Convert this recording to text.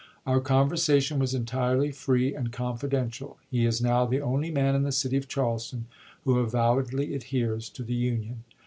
Our conversation was entirely free and con fidential. He is now the only man in the city of Charles ton who avowedly adheres to the Union.